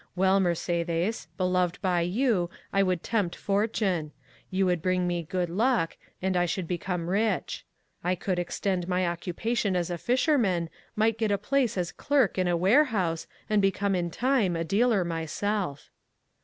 Well, Mercédès, beloved by you, I would tempt fortune; you would bring me good luck, and I should become rich. I could extend my occupation as a fisherman, might get a place as clerk in a warehouse, and become in time a dealer myself."